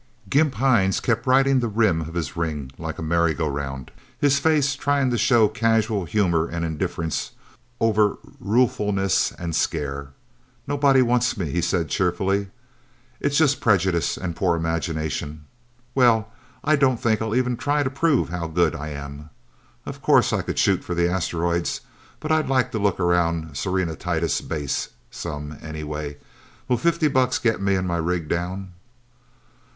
Gimp Hines kept riding the rim of his ring like a merry go round, his face trying to show casual humor and indifference over ruefulness and scare. "Nobody wants me," he said cheerfully. "It's just prejudice and poor imagination. Well I don't think I'll even try to prove how good I am. Of course I could shoot for the asteroids. But I'd like to look around Serenitatis Base some, anyway. Will fifty bucks get me and my rig down?"